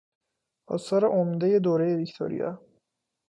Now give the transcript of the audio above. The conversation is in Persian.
آثار عمدهی دورهی ویکتوریا